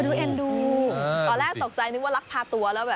ตอนแรกโจรสใจนึกว่ารักพาตัว